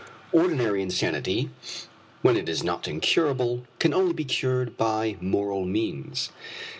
Ordinary insanity, when it is not incurable, can only be cured by moral means.